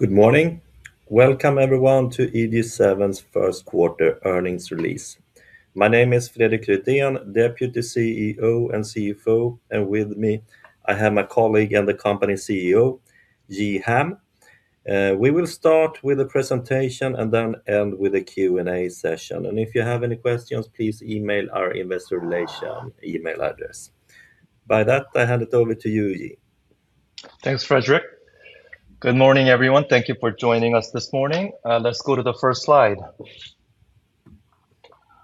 Good morning. Welcome everyone to EG7's first quarter earnings release. My name is Fredrik Rüdén, Deputy CEO and CFO, and with me I have my colleague and the company CEO, Ji Ham. We will start with a presentation and then end with a Q&A session. If you have any questions, please email our investor relation email address. By that, I hand it over to you, Ji. Thanks, Fredrik. Good morning, everyone. Thank you for joining us this morning. Let's go to the first slide.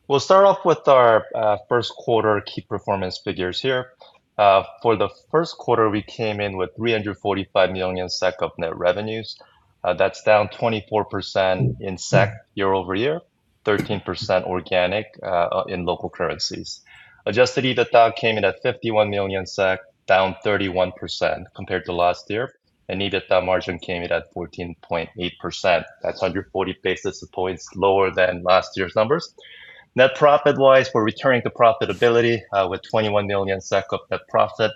We'll start off with our first quarter key performance figures here. For the first quarter, we came in with 345 million SEK of net revenues. That's down 24% in SEK year-over-year, 13% organic in local currencies. Adjusted EBITDA came in at 51 million SEK, down 31% compared to last year, EBITDA margin came in at 14.8%. That's 140 basis points lower than last year's numbers. Net profit-wise, we're returning to profitability with 21 million SEK of net profit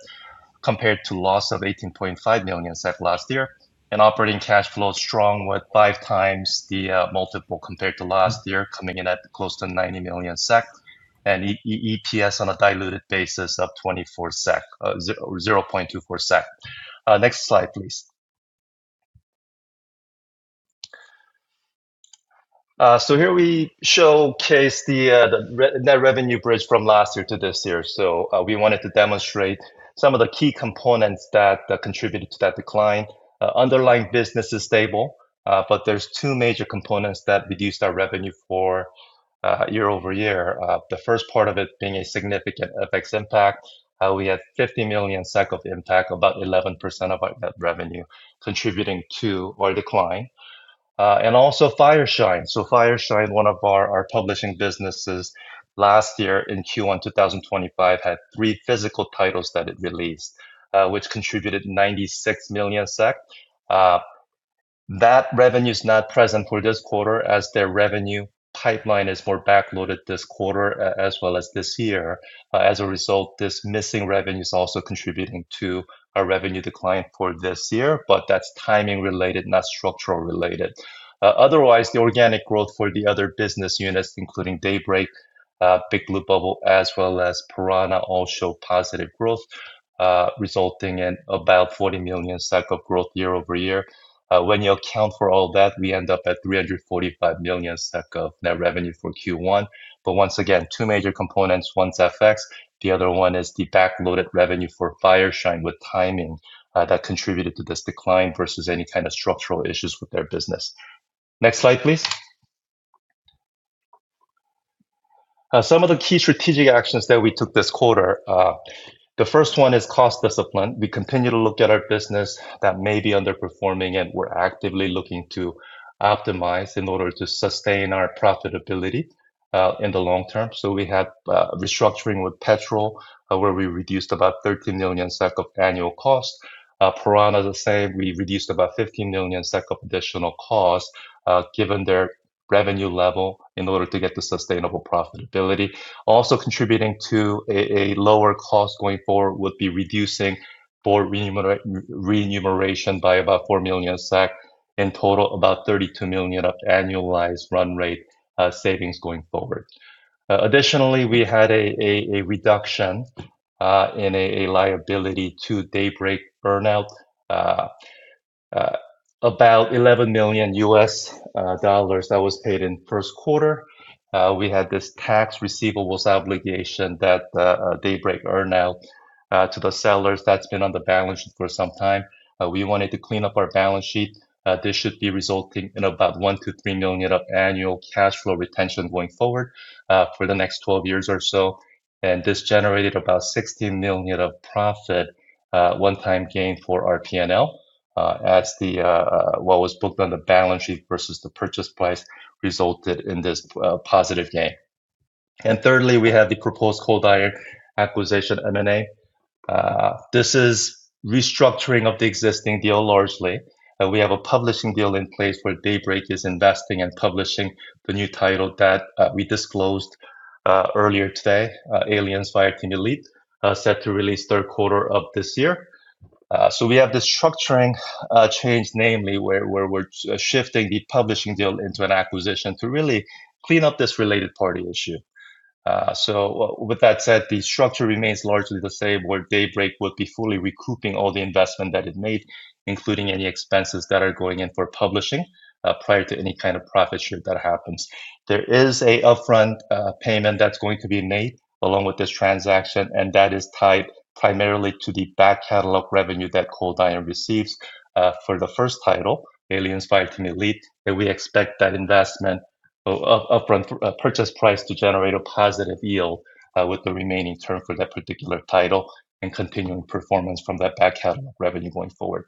compared to loss of 18.5 million SEK last year. Operating cash flow is strong with 5x the multiple compared to last year, coming in at close to 90 million SEK and EPS on a diluted basis of 24 SEK, 0.24 SEK. Next slide please. Here we showcase the net revenue bridge from last year to this year. We wanted to demonstrate some of the key components that contributed to that decline. Underlying business is stable, but there's two major components that reduced our revenue for year-over-year. The first part of it being a significant FX impact. We had 50 millions SEK of impact, about 11% of our net revenue contributing to our decline. Also, Fireshine Games. Fireshine Games, one of our publishing businesses last year in Q1 2025, had three physical titles that it released, which contributed 96 million SEK. That revenue is not present for this quarter as their revenue pipeline is more backloaded this quarter, as well as this year. As a result, this missing revenue is also contributing to our revenue decline for this year, that's timing related, not structural related. Otherwise, the organic growth for the other business units, including Daybreak, Big Blue Bubble, as well as Piranha, all show positive growth, resulting in about 40 million of growth year-over-year. When you account for all that, we end up at 345 million of net revenue for Q1. Once again, two major components. One's FX, the other one is the backloaded revenue for Fireshine Games with timing that contributed to this decline versus any kind of structural issues with their business. Next slide, please. Some of the key strategic actions that we took this quarter. The first one is cost discipline. We continue to look at our business that may be underperforming, and we're actively looking to optimize in order to sustain our profitability in the long term. We had restructuring with Petrol, where we reduced about 13 million SEK of annual cost. Piranha the same. We reduced about 15 million SEK of additional cost, given their revenue level in order to get to sustainable profitability. Also contributing to a lower cost going forward would be reducing board remuneration by about 4 million. In total, about 32 million of annualized run rate savings going forward. Additionally, we had a reduction in a liability to Daybreak Earnout, about $11 million that was paid in first quarter. We had this tax receivables obligation that Daybreak Earnout to the sellers that's been on the balance sheet for some time. We wanted to clean up our balance sheet. This should be resulting in about 1 million-3 million of annual cash flow retention going forward for the next 12 years or so. This generated about 16 million of profit, one-time gain for our P&L, as the what was booked on the balance sheet versus the purchase price resulted in this positive gain. Thirdly, we have the proposed Cold Iron acquisition M&A. This is restructuring of the existing deal largely. We have a publishing deal in place where Daybreak is investing and publishing the new title that we disclosed earlier today, Aliens: Fireteam Elite, set to release third quarter of this year. We have this structuring change, namely where we're shifting the publishing deal into an acquisition to really clean up this related party issue. With that said, the structure remains largely the same, where Daybreak would be fully recouping all the investment that it made, including any expenses that are going in for publishing prior to any kind of profit share that happens. There is an upfront payment that's going to be made along with this transaction, and that is tied primarily to the back catalog revenue that Cold Iron receives for the first title, Aliens: Fireteam Elite. We expect that investment of upfront purchase price to generate a positive yield with the remaining term for that particular title and continuing performance from that back catalog revenue going forward.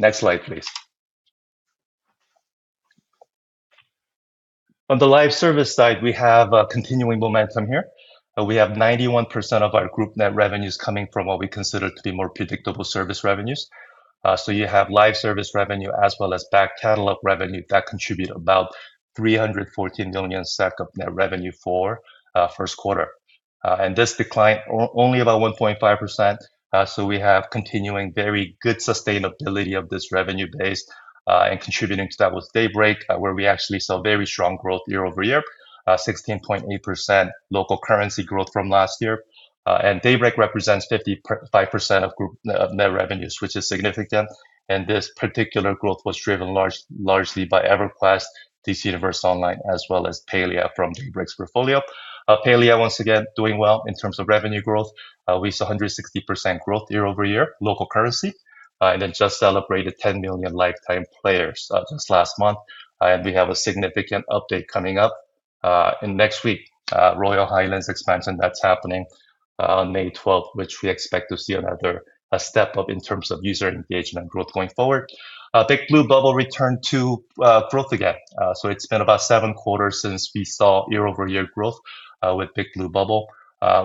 Next slide, please. On the live service side, we have continuing momentum here. We have 91% of our group net revenues coming from what we consider to be more predictable service revenues. You have live service revenue as well as back catalog revenue that contribute about 314 million SEK of net revenue for first quarter. This declined only about 1.5%. We have continuing very good sustainability of this revenue base. Contributing to that was Daybreak, where we actually saw very strong growth year-over-year, 16.8% local currency growth from last year. Daybreak represents 55% of group net revenues, which is significant. This particular growth was driven largely by EverQuest, DC Universe Online, as well as Palia from Daybreak's portfolio. Palia once again doing well in terms of revenue growth. We saw 160% growth year-over-year local currency, just celebrated 10 million lifetime players just last month. We have a significant update coming up in next week, Royal Highlands expansion that's happening on May 12th, which we expect to see another step up in terms of user engagement growth going forward. Big Blue Bubble returned to growth again. It's been about seven quarters since we saw year-over-year growth with Big Blue Bubble.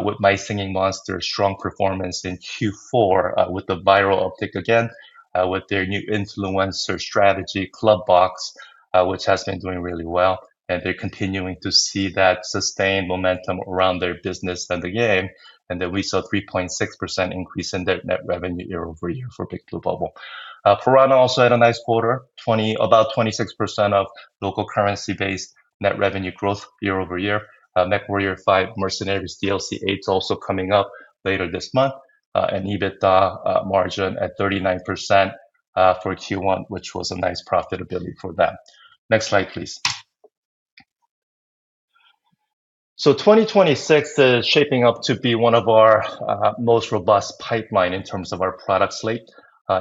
With My Singing Monsters strong performance in Q4, with the viral uptick again, with their new influencer strategy, Clubbox, which has been doing really well. They're continuing to see that sustained momentum around their business and the game; we saw a 3.6% increase in their net revenue year-over-year for Big Blue Bubble. Piranha also had a nice quarter, about 26% of local currency-based net revenue growth year-over-year. MechWarrior 5: Mercenaries DLC 8 is also coming up later this month, and EBITDA margin at 39% for Q1, which was a nice profitability for them. Next slide, please. 2026 is shaping up to be one of our most robust pipelines in terms of our product slate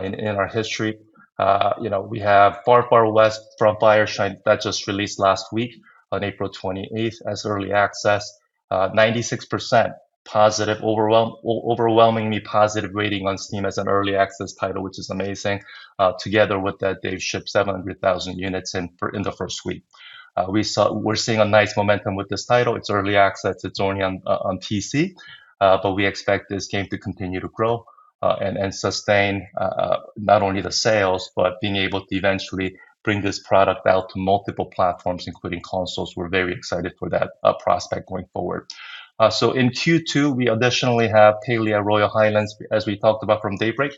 in our history. You know, we have Far Far West from Fireshine Games that just released last week on April 28, 2026 as early access. 96% positive overwhelmingly positive rating on Steam as an early access title, which is amazing. Together with that, they've shipped 700,000 units in the first week. We're seeing a nice momentum with this title. It's early access. It's only on PC, but we expect this game to continue to grow and sustain not only the sales but being able to eventually bring this product out to multiple platforms, including consoles. We're very excited for that prospect going forward. In Q2, we additionally have Palia: Royal Highlands, as we talked about from Daybreak.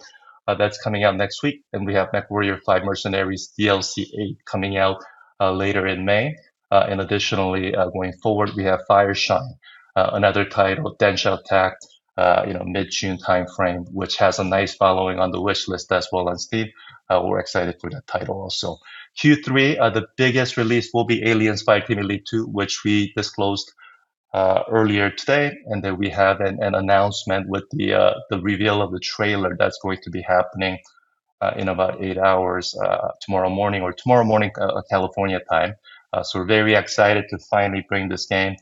That's coming out next week. We have MechWarrior 5: Mercenaries DLC 8 coming out later in May. Additionally, going forward, we have Fireshine, another title, Densha! Tact, you know, mid-June timeframe, which has a nice following on the wish list as well on Steam. We're excited for that title also. Q3, the biggest release will be Aliens: Fireteam Elite 2, which we disclosed earlier today. We have an announcement with the reveal of the trailer that's going to be happening in about eight hours tomorrow morning or tomorrow morning, California time. We're very excited to finally bring this game,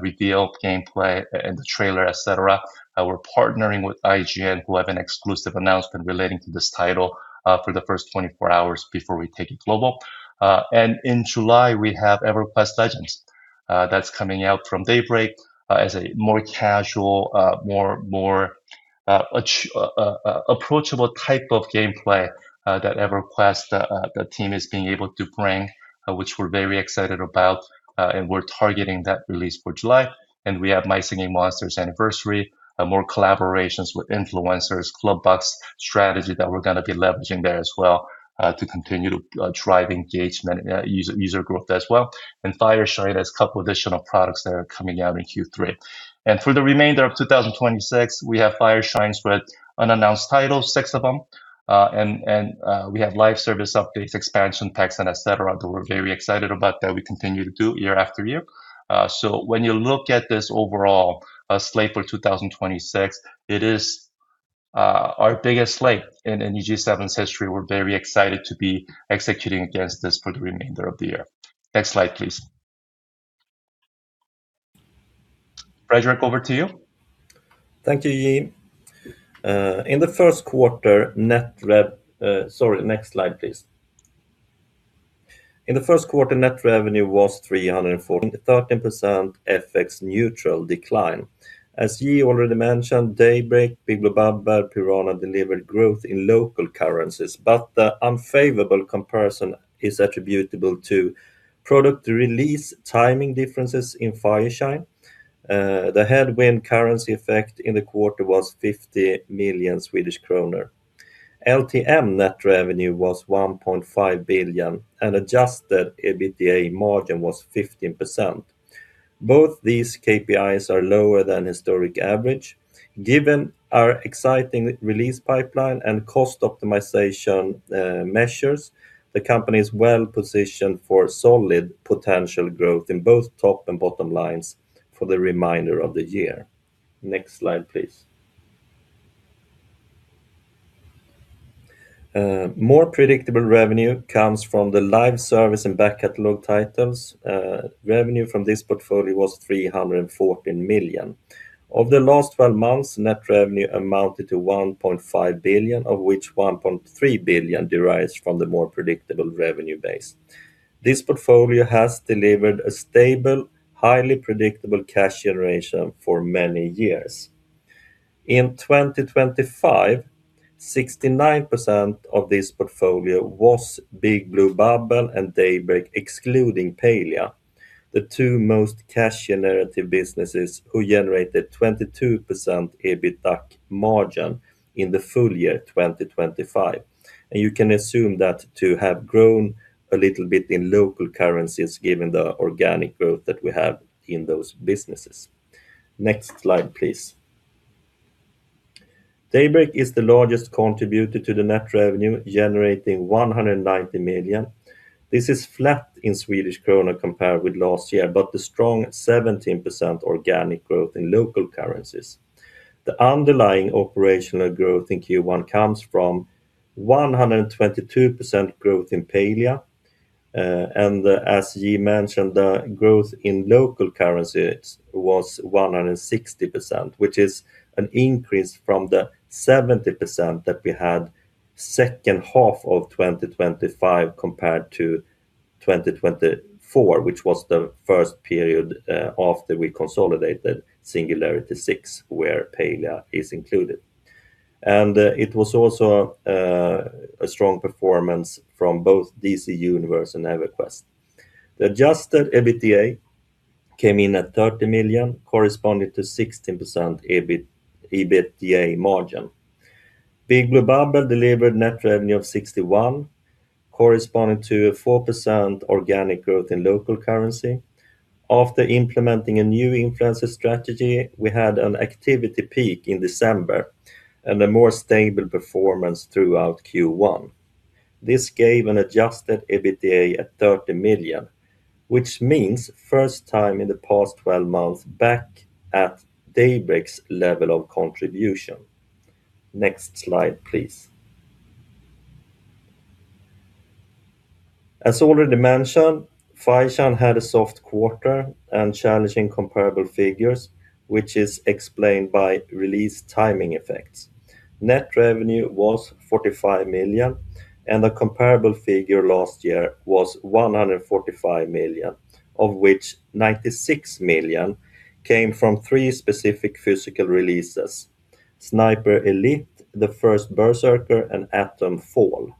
reveal gameplay and the trailer, et cetera. We're partnering with IGN, who have an exclusive announcement relating to this title for the first 24 hours before we take it global. In July, we have EverQuest Legends that's coming out from Daybreak as a more casual, more approachable type of gameplay that EverQuest the team is being able to bring, which we're very excited about. We're targeting that release for July. We have My Singing Monsters Anniversary, more collaborations with influencers, Clubbox strategy that we're gonna be leveraging there as well, to continue to drive engagement, user growth as well. Fireshine has a couple additional products that are coming out in Q3. For the remainder of 2026, we have Fireshine spread unannounced titles, six of them. We have live service updates, expansion packs, and et cetera, that we're very excited about that we continue to do year after year. When you look at this overall slate for 2026, it is our biggest slate in EG7's history. We're very excited to be executing against this for the remainder of the year. Next slide, please. Fredrik, over to you. Thank you, Ji. Next slide, please. In the first quarter, net revenue was 314, 13% FX neutral decline. As Ji already mentioned, Daybreak, Big Blue Bubble, Piranha delivered growth in local currencies, but the unfavorable comparison is attributable to product release timing differences in Fireshine. The headwind currency effect in the quarter was 50 million Swedish kronor. LTM net revenue was 1.5 billion, and adjusted EBITDA margin was 15%. Both these KPIs are lower than historic average. Given our exciting release pipeline and cost optimization measures, the company is well-positioned for solid potential growth in both top and bottom lines for the remainder of the year. Next slide, please. More predictable revenue comes from the live service and back catalog titles. Revenue from this portfolio was 314 million. Of the last 12 months, net revenue amounted to 1.5 billion, of which 1.3 billion derives from the more predictable revenue base. This portfolio has delivered a stable, highly predictable cash generation for many years. In 2025, 69% of this portfolio was Big Blue Bubble and Daybreak, excluding Palia, the two most cash-generative businesses who generated 22% EBITDAC margin in the full year 2025. You can assume that to have grown a little bit in local currencies given the organic growth that we have in those businesses. Next slide, please. Daybreak is the largest contributor to the net revenue, generating 190 million. This is flat in Swedish krona compared with last year, but a strong 17% organic growth in local currencies. The underlying operational growth in Q1 comes from 122% growth in Palia, and as Ji mentioned, the growth in local currencies was 160%, which is an increase from the 70% that we had second half of 2025 compared to 2024, which was the first period after we consolidated Singularity 6, where Palia is included. It was also a strong performance from both DC Universe Online and EverQuest. The adjusted EBITDA came in at 30 million, corresponding to 16% EBITDA margin. Big Blue Bubble delivered net revenue of 61, corresponding to 4% organic growth in local currency. After implementing a new influencer strategy, we had an activity peak in December and a more stable performance throughout Q1. This gave an adjusted EBITDA at 30 million, which means first time in the past 12 months back at Daybreak's level of contribution. Next slide, please. As already mentioned, Fireshine had a soft quarter and challenging comparable figures, which is explained by release timing effects. Net revenue was 45 million. The comparable figure last year was 145 million, of which 96 million came from three specific physical releases: Sniper Elite, The First Berserker: Khazan, and Atomfall.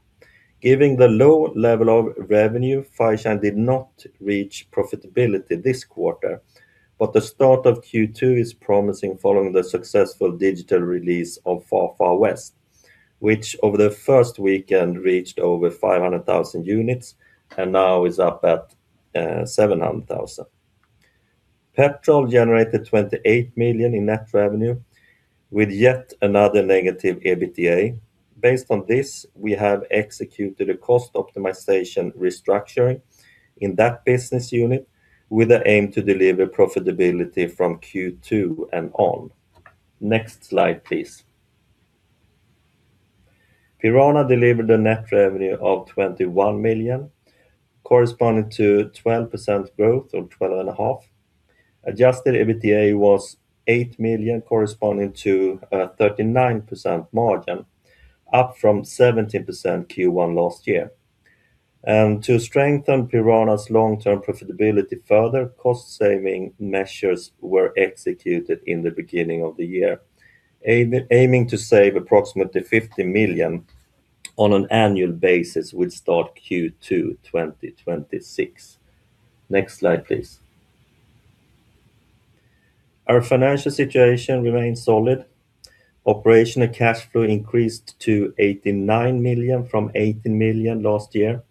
Given the low level of revenue, Fireshine did not reach profitability this quarter. The start of Q2 is promising following the successful digital release of DLC 8: Far Far West, which over the first weekend reached over 500,000 units and now is up at 700,000. Petrol generated 28 million in net revenue with yet another negative EBITDA. Based on this, we have executed a cost optimization restructuring in that business unit with the aim to deliver profitability from Q2 and on. Next slide, please. Piranha Games delivered a net revenue of 21 million, corresponding to 12% growth or 12.5%. Adjusted EBITDA was 8 million, corresponding to a 39% margin, up from 17% Q1 last year. To strengthen Piranha's long-term profitability further, cost-saving measures were executed in the beginning of the year, aiming to save approximately 50 million on an annual basis with start Q2 2026. Next slide, please. Our financial situation remains solid. Operational cash flow increased to 89 million from 80 million last year,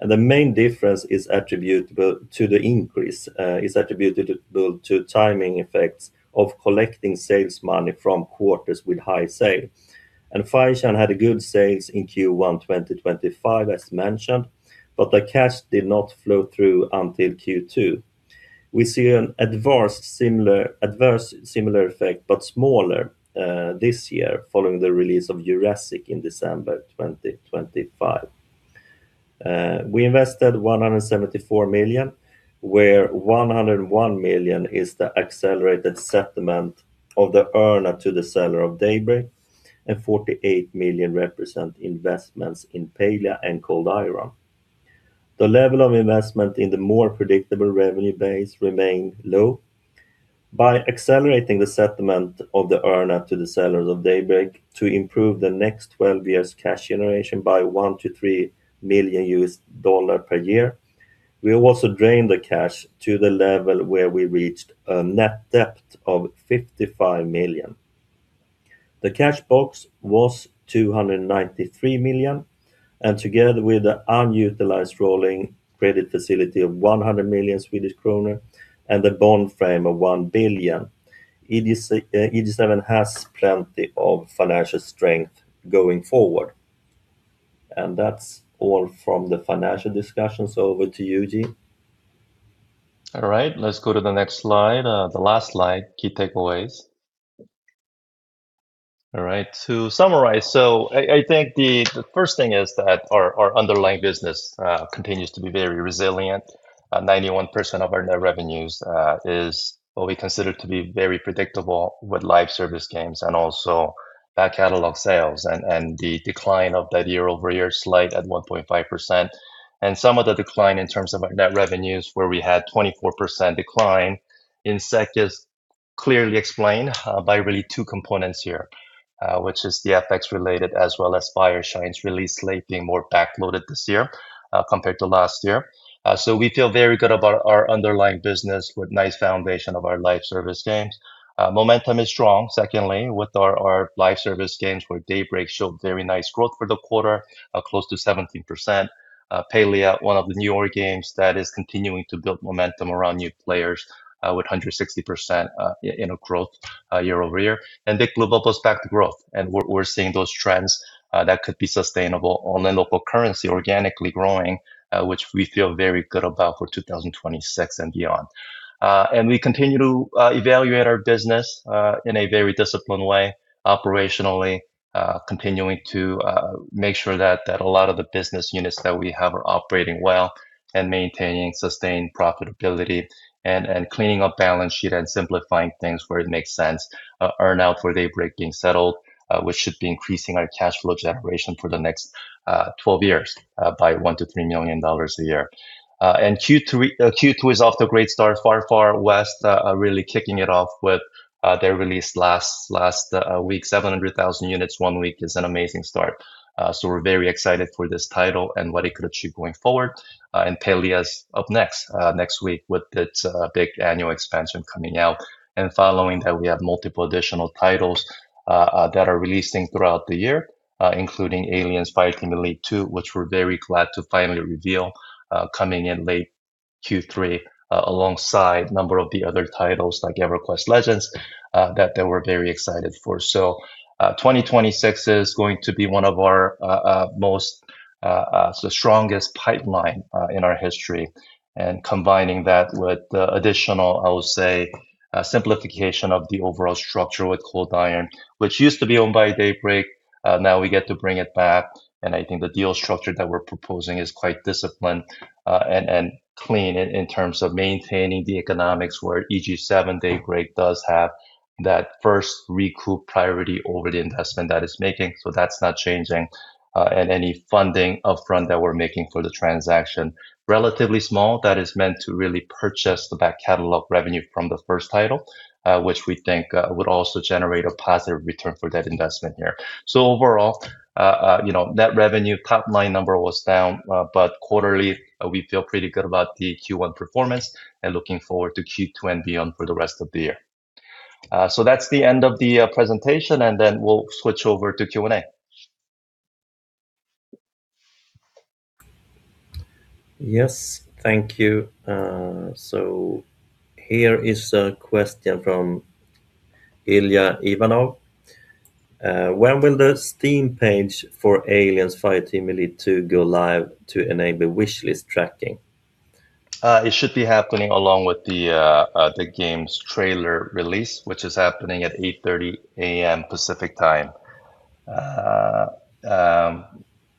the main difference is attributable to the increase the timing effects of collecting sales money from quarters with high sales. Fireshine Games had good sales in Q1 2025, as mentioned, but the cash did not flow through until Q2. We see an adverse similar effect, but smaller, this year following the release of Jurassic World Evolution in December 2025. We invested 174 million, where 101 million is the accelerated settlement of the earner to the seller of Daybreak Games, and 48 million represent investments in Palia and Cold Iron Studios. The level of investment in the more predictable revenue base remained low. By accelerating the settlement of the earner to the sellers of Daybreak to improve the next 12 years cash generation by $1 million-$3 million per year, we also drained the cash to the level where we reached a net debt of 55 million. The cash box was 293 million, and together with the unutilized rolling credit facility of 100 million Swedish kronor and the bond frame of 1 billion, EG7 has plenty of financial strength going forward. That's all from the financial discussions. Over to you, Ji. All right. Let's go to the next slide, the last slide, key takeaways. To summarize, I think the first thing is that our underlying business continues to be very resilient. 91% of our net revenues is what we consider to be very predictable with live service games and also back catalog sales and the decline of that year-over-year slide at 1.5%. Some of the decline in terms of our net revenues, where we had 24% decline in SEK is clearly explained by really two components here, which is the FX related as well as Fireshine Games release slate being more backloaded this year compared to last year. We feel very good about our underlying business with nice foundation of our live service games. Momentum is strong, secondly, with our live service games where Daybreak showed very nice growth for the quarter, close to 17%. Palia, one of the newer games that is continuing to build momentum around new players, with 160%, you know, growth year-over-year. Big Blue Bubble's back to growth, and we're seeing those trends that could be sustainable on a local currency organically growing, which we feel very good about for 2026 and beyond. We continue to evaluate our business in a very disciplined way operationally, continuing to make sure that a lot of the business units that we have are operating well and maintaining sustained profitability and cleaning up balance sheet and simplifying things where it makes sense. Earn-out for Daybreak being settled, which should be increasing our cash flow generation for the next 12 years, by $1 million-$3 million a year. Q2 is off to a great start. Far Far West really kicking it off with their release last week. 700,000 units one week is an amazing start. We're very excited for this title and what it could achieve going forward. Palia's up next next week with its big annual expansion coming out. Following that, we have multiple additional titles that are releasing throughout the year, including Aliens: Fireteam Elite 2, which we're very glad to finally reveal, coming in late Q3, alongside number of the other titles like EverQuest Legends that we're very excited for. 2026 is going to be one of our most the strongest pipeline in our history. Combining that with the additional, I would say, simplification of the overall structure with Cold Iron, which used to be owned by Daybreak, now we get to bring it back. I think the deal structure that we're proposing is quite disciplined and clean in terms of maintaining the economics where EG7, Daybreak does have that first recoup priority over the investment that it's making. That's not changing. Any funding upfront that we're making for the transaction, relatively small, that is meant to really purchase the back catalog revenue from the first title, which we think would also generate a positive return for that investment here. Overall, you know, net revenue top-line number was down, but quarterly, we feel pretty good about the Q1 performance and looking forward to Q2 and beyond for the rest of the year. That's the end of the presentation. We'll switch over to Q&A. Yes. Thank you. Here is a question from Ilya Ivanov. When will the Steam page for Aliens: Fireteam Elite 2 go live to enable wish list tracking? It should be happening along with the game's trailer release, which is happening at 8:30 A.M. Pacific Time,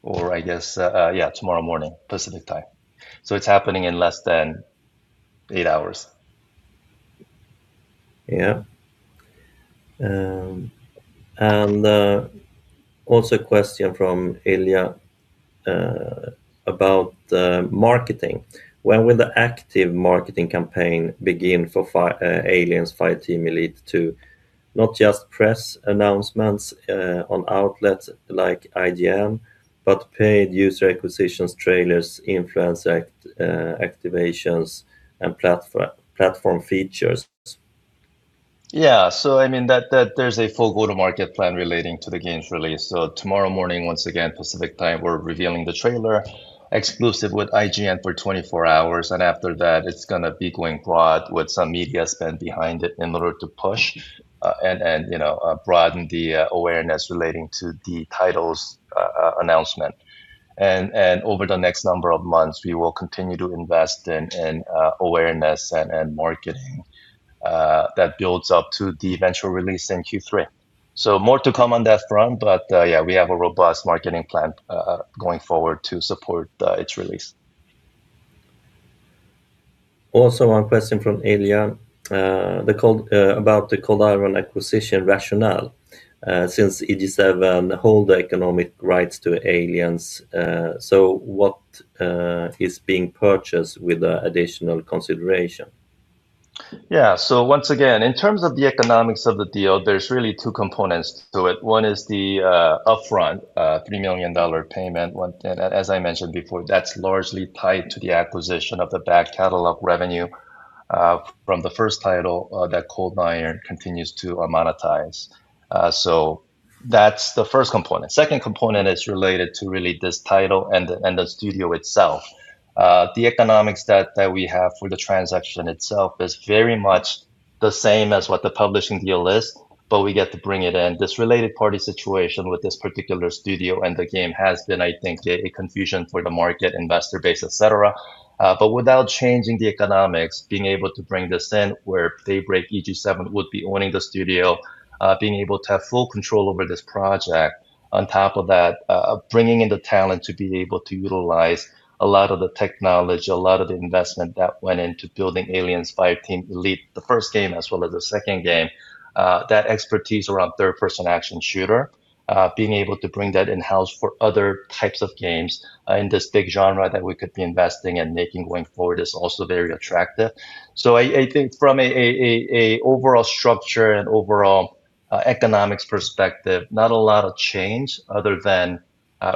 or I guess tomorrow morning Pacific Time. It's happening in less than eight hours. Yeah. Also a question from Ilya about marketing. When will the active marketing campaign begin for Aliens: Fireteam Elite 2? Not just press announcements on outlets like IGN, but paid user acquisitions, trailers, influencer activations, and platform features. Yeah. I mean, there's a full go-to-market plan relating to the game's release. Tomorrow morning, once again Pacific Time, we're revealing the trailer exclusive with IGN for 24 hours. After that, it's gonna be going broad with some media spend behind it in order to push and, you know, broaden the awareness relating to the title's announcement. Over the next number of months, we will continue to invest in awareness and marketing that builds up to the eventual release in Q3. More to come on that front, but, yeah, we have a robust marketing plan going forward to support its release. One question from Ilya, about the Cold Iron acquisition rationale. Since EG7 hold the economic rights to Aliens, so what is being purchased with additional consideration? Yeah. Once again, in terms of the economics of the deal, there's really two components to it. One is the upfront SEK 3 million payment. As I mentioned before, that's largely tied to the acquisition of the back catalog revenue from the first title that Cold Iron continues to monetize. That's the first component. Second component is related to really this title and the studio itself. The economics that we have for the transaction itself is very much the same as what the publishing deal is, but we get to bring it in. This related party situation with this particular studio and the game has been, I think, a confusion for the market, investor base, et cetera. Without changing the economics, being able to bring this in where if Daybreak EG7 would be owning the studio, being able to have full control over this project. On top of that, bringing in the talent to be able to utilize a lot of the technology, a lot of the investment that went into building Aliens: Fireteam Elite, the first game as well as the second game, that expertise around third-person action shooter, being able to bring that in-house for other types of games, in this big genre that we could be investing and making going forward is also very attractive. I think from an overall structure and overall economics perspective, not a lot of change other than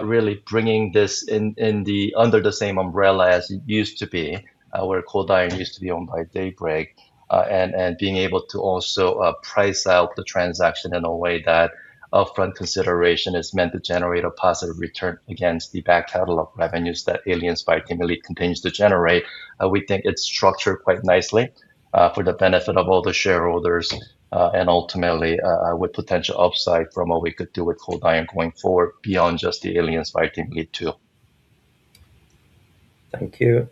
really bringing this under the same umbrella as it used to be, where Cold Iron used to be owned by Daybreak, and being able to also price out the transaction in a way that upfront consideration is meant to generate a positive return against the back catalog revenues that Aliens: Fireteam Elite continues to generate. We think it's structured quite nicely, for the benefit of all the shareholders, and ultimately, with potential upside from what we could do with Cold Iron going forward beyond just the Aliens: Fireteam Elite 2. Thank you.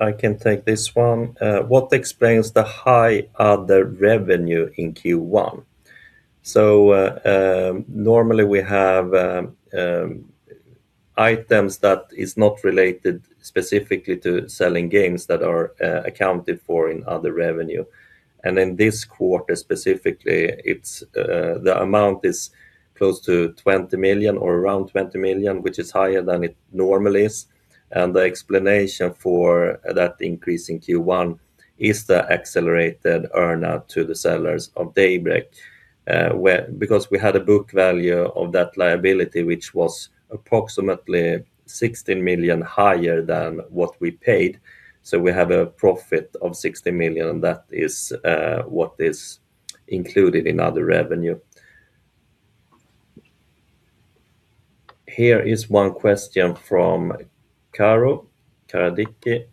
I can take this one. What explains the high other revenue in Q1? Normally we have items that is not related specifically to selling games that are accounted for in other revenue. In this quarter specifically, it's the amount is close to 20 million or around 20 million, which is higher than it normally is. The explanation for that increase in Q1 is the accelerated earn-out to the sellers of Daybreak, because we had a book value of that liability, which was approximately 16 million higher than what we paid, so we have a profit of 16 million, and that is what is included in other revenue. Here is one question from Tomas Carroll Caradiche.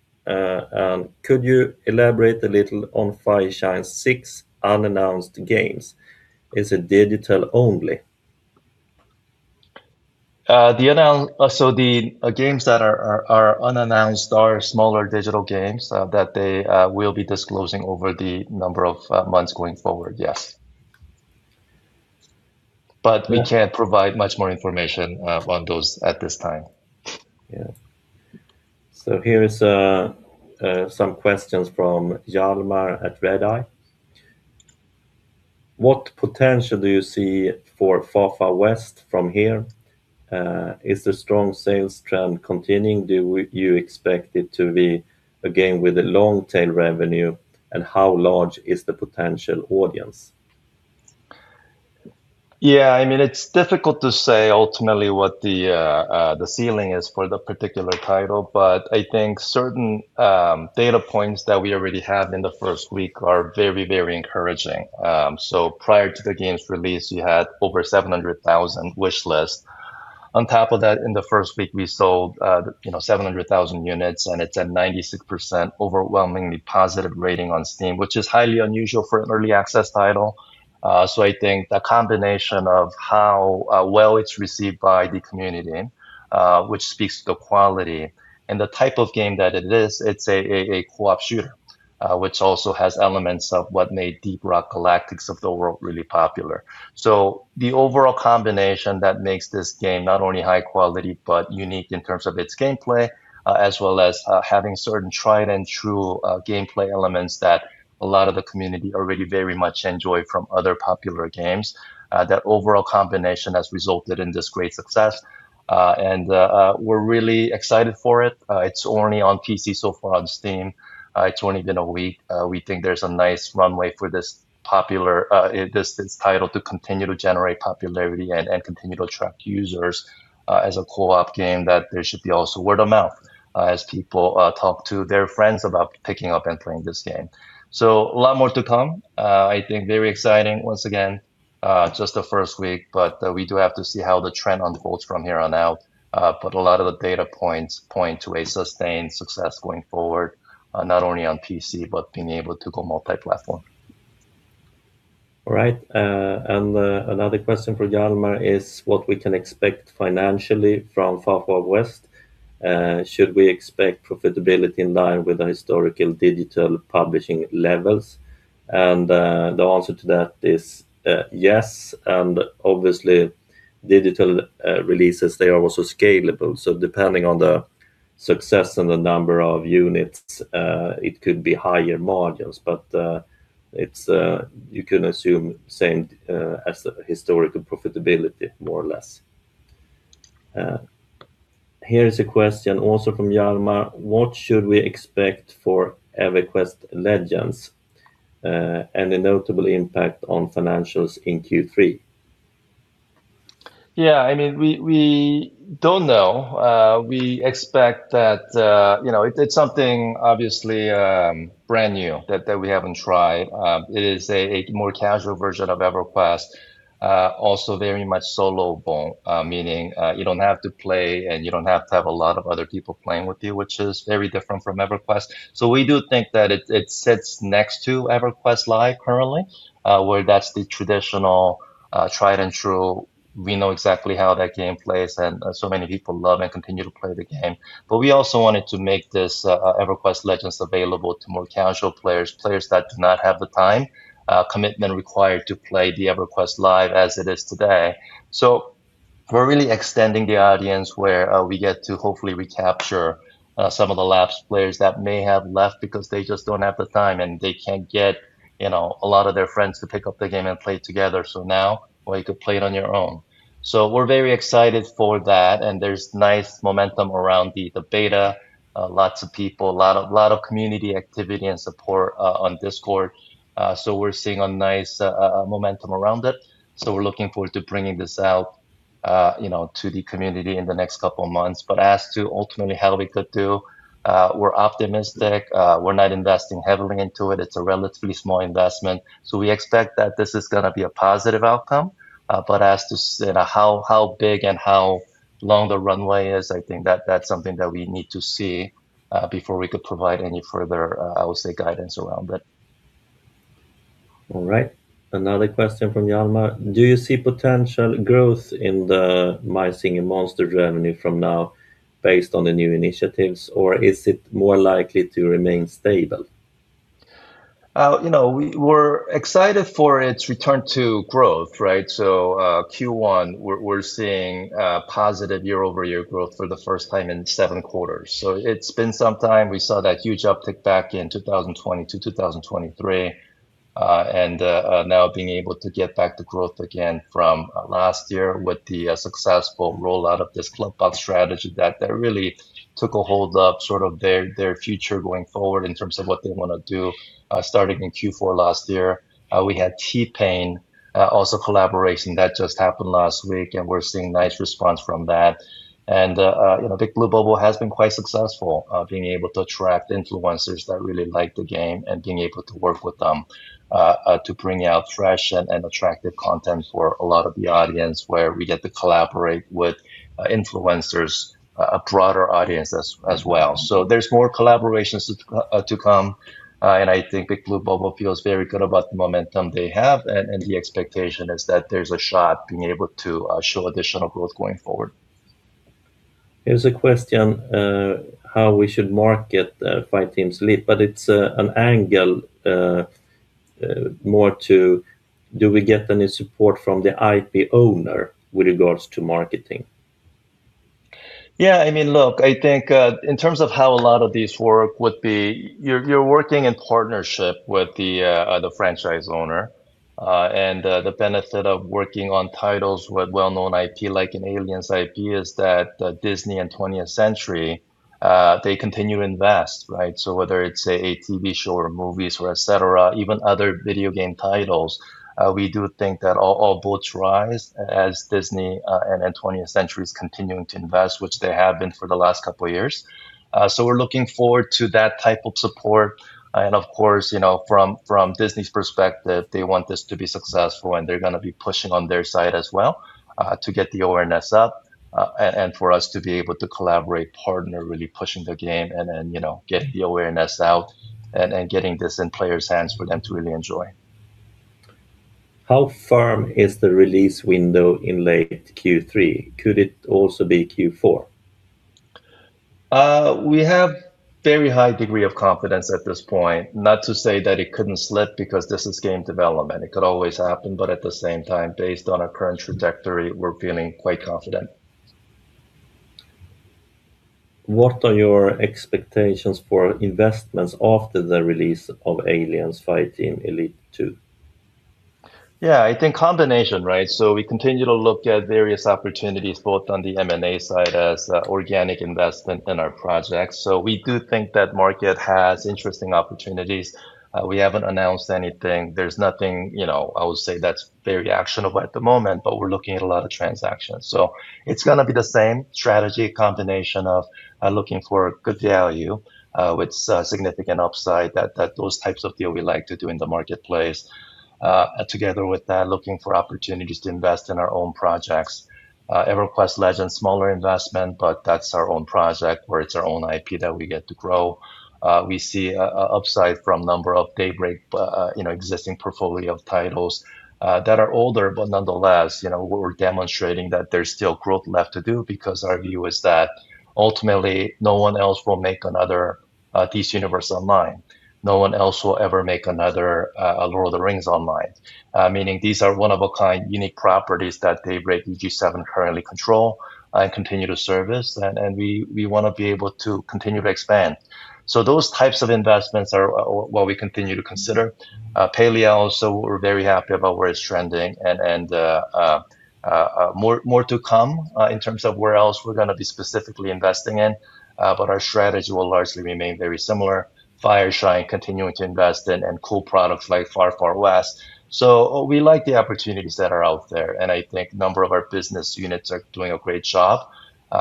Could you elaborate a little on Fireshine's six unannounced games? Is it digital only? The games that are unannounced are smaller digital games that they will be disclosing over the number of months going forward, yes. We can't provide much more information on those at this time. Yeah. Here is some questions from Hjalmar Erikson at Redeye. What potential do you see for Far Far West from here? Is the strong sales trend continuing? Do you expect it to be a game with a long tail revenue? How large is the potential audience? Yeah, I mean, it's difficult to say ultimately what the ceiling is for the particular title, but I think certain data points that we already have in the first week are very, very encouraging. Prior to the game's release, you had over 700,000 wish lists. On top of that, in the first week, we sold, you know, 700,000 units, and it's a 96% overwhelmingly positive rating on Steam, which is highly unusual for an early access title. I think the combination of how well it's received by the community, which speaks to the quality and the type of game that it is, it's a co-op shooter, which also has elements of what made Deep Rock Galactic of the world really popular. The overall combination that makes this game not only high quality but unique in terms of its gameplay, as well as having certain tried and true gameplay elements that a lot of the community already very much enjoy from other popular games, that overall combination has resulted in this great success. We're really excited for it. It's only on PC so far on Steam. It's only been a week. We think there's a nice runway for this popular title to continue to generate popularity and continue to attract users, as a co-op game that there should be also word of mouth, as people talk to their friends about picking up and playing this game. A lot more to come. I think very exciting once again, just the first week, but we do have to see how the trend unfolds from here on out. A lot of the data points point to a sustained success going forward, not only on PC, but being able to go multi-platform. All right. Another question for Hjalmar is what we can expect financially from Far Far West. Should we expect profitability in line with the historical digital publishing levels? The answer to that is yes, and obviously digital releases, they are also scalable. Depending on the success and the number of units, it could be higher margins, but it's you can assume same as the historical profitability more or less. Here is a question also from Hjalmar. What should we expect for EverQuest Legends and the notable impact on financials in Q3? I mean, we don't know. We expect that, you know, it's something obviously brand new that we haven't tried. It is a more casual version of EverQuest, also very much soloable, meaning you don't have to play, and you don't have to have a lot of other people playing with you, which is very different from EverQuest. We do think that it sits next to EverQuest Live currently, where that's the traditional, tried and true, we know exactly how that game plays and so many people love and continue to play the game. We also wanted to make this EverQuest Legends available to more casual players that do not have the time commitment required to play the EverQuest Live as it is today. We're really extending the audience where we get to hopefully recapture some of the lapsed players that may have left because they just don't have the time, and they can't get, you know, a lot of their friends to pick up the game and play together. Now, well, you could play it on your own. We're very excited for that, and there's nice momentum around the beta. Lots of people, a lot of community activity and support on Discord. We're seeing a nice momentum around it, we're looking forward to bringing this out, you know, to the community in the next couple of months. As to ultimately how we could do, we're optimistic. We're not investing heavily into it. It's a relatively small investment, we expect that this is gonna be a positive outcome. As to you know, how big and how long the runway is, I think that that's something that we need to see before we could provide any further, I would say, guidance around it. All right. Another question from Hjalmar. Do you see potential growth in the My Singing Monsters revenue from now based on the new initiatives, or is it more likely to remain stable? You know, we're excited for its return to growth, right? Q1 we're seeing positive year-over-year growth for the first time in 7 quarters. It's been some time. We saw that huge uptick back in 2020 to 2023, now being able to get back to growth again from last year with the successful rollout of this Clubbox strategy that really took a hold of sort of their future going forward in terms of what they wanna do. Starting in Q4 last year, we had T-Pain also collaboration that just happened last week, we're seeing nice response from that. you know, Big Blue Bubble has been quite successful, being able to attract influencers that really like the game and being able to work with them, to bring out fresh and attractive content for a lot of the audience where we get to collaborate with influencers, a broader audience as well. There's more collaborations to come, and I think Big Blue Bubble feels very good about the momentum they have, and the expectation is that there's a shot being able to show additional growth going forward. Here's a question, how we should market Fireteam's Elite, but it's an angle, more to do we get any support from the IP owner with regards to marketing? Yeah, I mean, look, I think, in terms of how a lot of this work would be you're working in partnership with the franchise owner. And the benefit of working on titles with well-known IP like in Aliens IP is that Disney and Twentieth Century they continue to invest, right? Whether it's a TV show or movies or et cetera, even other video game titles, we do think that all boats rise as Disney and Twentieth Century is continuing to invest, which they have been for the last couple of years. We're looking forward to that type of support, of course, you know, from Disney's perspective, they want this to be successful, and they're gonna be pushing on their side as well, to get the awareness up, and for us to be able to collaborate, partner, really pushing the game and then, you know, get the awareness out and getting this in players' hands for them to really enjoy. How firm is the release window in late Q3? Could it also be Q4? We have very high degree of confidence at this point. Not to say that it couldn't slip because this is game development. It could always happen, but at the same time, based on our current trajectory, we're feeling quite confident. What are your expectations for investments after the release of Aliens: Fireteam Elite 2? Yeah. I think combination, right? We continue to look at various opportunities both on the M&A side as organic investment in our projects. We do think that market has interesting opportunities. We haven't announced anything. There's nothing, you know, I would say that's very actionable at the moment, but we're looking at a lot of transactions. It's gonna be the same strategy, combination of looking for good value with significant upside that those types of deal we like to do in the marketplace. Together with that, looking for opportunities to invest in our own projects. EverQuest Legends, smaller investment, but that's our own project where it's our own IP that we get to grow. We see a upside from number of Daybreak, you know, existing portfolio of titles that are older, but nonetheless, you know, we're demonstrating that there's still growth left to do because our view is that ultimately no one else will make another DC Universe Online. No one else will ever make another The Lord of the Rings Online. Meaning these are one of a kind unique properties that Daybreak EG7 currently control and continue to service and we wanna be able to continue to expand. Those types of investments are what we continue to consider. Palia also we're very happy about where it's trending and more to come in terms of where else we're gonna be specifically investing in. Our strategy will largely remain very similar. Fireshine continuing to invest in and cool products like Far Far West. We like the opportunities that are out there, and I think a number of our business units are doing a great job,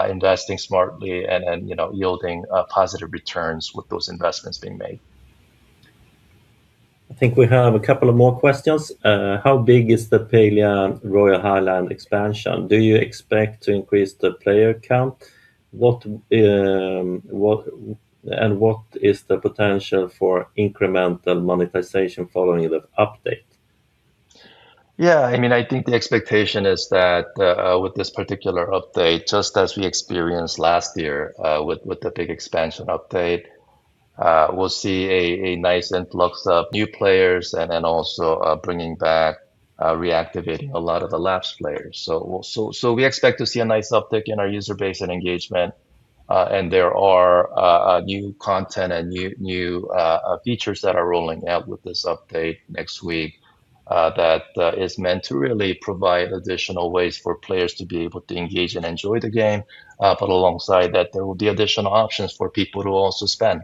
investing smartly and, you know, yielding positive returns with those investments being made. I think we have a couple of more questions. How big is the Palia Royal Highlands expansion? Do you expect to increase the player count? What is the potential for incremental monetization following the update? Yeah, I mean, I think the expectation is that with this particular update, just as we experienced last year, with the big expansion update, we'll see a nice influx of new players and then also bringing back, reactivating a lot of the lapsed players. We expect to see a nice uptick in our user base and engagement, and there are new content and new features that are rolling out with this update next week, that is meant to really provide additional ways for players to be able to engage and enjoy the game. Alongside that, there will be additional options for people to also spend.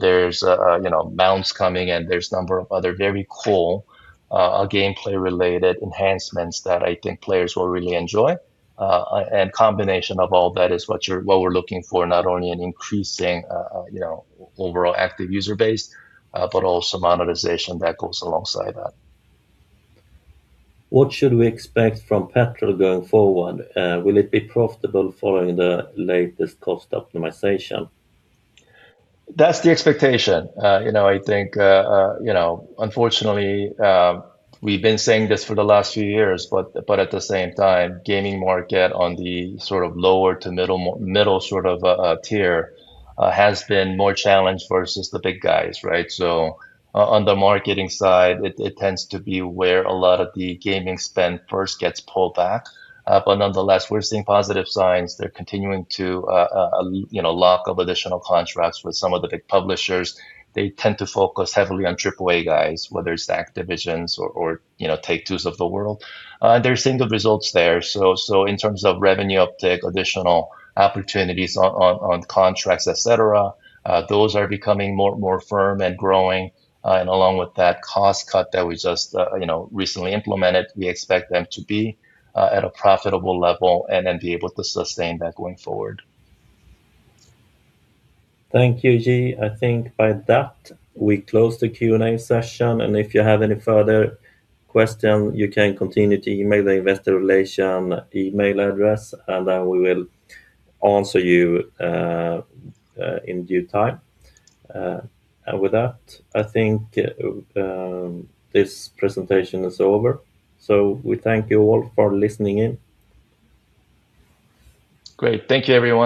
There's, you know, mounts coming and there's a number of other very cool gameplay-related enhancements that I think players will really enjoy. Combination of all that is what we're looking for, not only in increasing, you know, overall active user base, but also monetization that goes alongside that. What should we expect from Petrol Advertising going forward? Will it be profitable following the latest cost optimization? That's the expectation. You know, I think, you know, unfortunately, we've been saying this for the last few years, but at the same time, gaming market on the sort of lower to middle tier has been more challenged versus the big guys, right. On the marketing side, it tends to be where a lot of the gaming spend first gets pulled back. Nonetheless, we're seeing positive signs. They're continuing to, you know, lock up additional contracts with some of the big publishers. They tend to focus heavily on AAA guys, whether it's the Activisions or, you know, Take-Twos of the world. They're seeing the results there. In terms of revenue uptick, additional opportunities on contracts, et cetera, those are becoming more firm and growing. Along with that cost cut that we just, you know, recently implemented, we expect them to be at a profitable level and then be able to sustain that going forward. Thank you, Ji. I think by that we close the Q&A session, and if you have any further question, you can continue to email the investor relation email address, and then we will answer you in due time. With that, I think this presentation is over. We thank you all for listening in. Great. Thank you, everyone.